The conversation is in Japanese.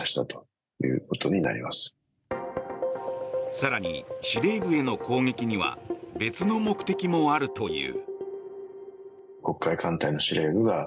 更に、司令部への攻撃には別の目的もあるという。